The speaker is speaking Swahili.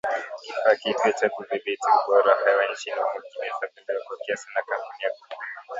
Kifaa kipya cha kudhibiti ubora wa hewa nchini humo kimefadhiliwa kwa kiasi na kampuni ya Google